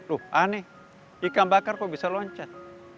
loh aneh ikan bakar kok bisa loncat